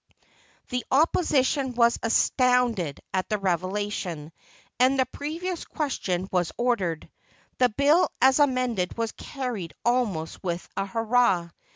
The opposition were astounded at the revelation and the previous question was ordered. The bill as amended was carried almost with a "hurrah."